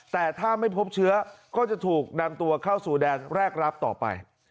แต่ถ้าไม่พบเชื้อก็จะถูกนำตัวเข้าสู่แดนแรกรับต่อไป